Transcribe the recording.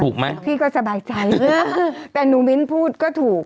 ถูกไหมพี่ก็สบายใจแต่นุมิ้นท์พูดก็ถูก